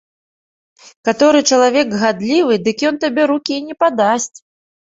Каторы чалавек гадлівы, дык ён табе рукі не падасць.